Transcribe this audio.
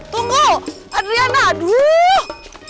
tunggu adriana aduh